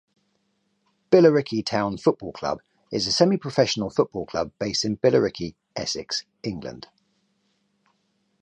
Billericay Town Football Club is a semi-professional football club based in Billericay, Essex, England.